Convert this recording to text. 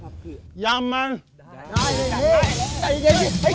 แต่เยี่ยมพี่